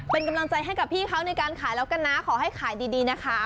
เป็นกำลังใจให้กับพี่เขาในการขายแล้วกันนะขอให้ขายดีนะคะ